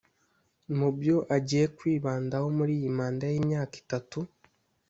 Mu byo agiye kwibandaho muri iyi manda y’imyaka itatu